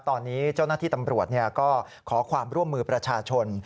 ตอนนี้เจ้าหน้าที่ตำรวจก็ขอความร่วมมือประชาชน